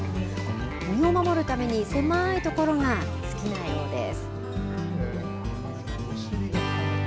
身を守るために狭い所が好きなようです。